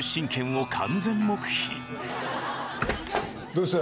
どうした？